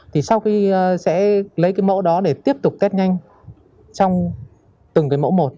thì sau khi sẽ lấy cái mẫu đó để tiếp tục test nhanh trong từng cái mẫu một